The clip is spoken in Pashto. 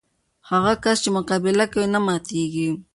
هغه کس چې مقابله کوي، نه ماتېږي.